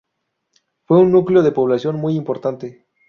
Fue un núcleo de población muy importante.